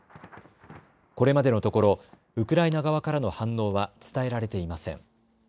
これまでのところウクライナ側からの反応は伝えられていません。